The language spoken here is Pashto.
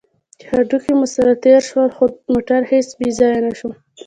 چې هډوکي مو سره تېر شول، خو موټر هېڅ بې ځایه نه شو.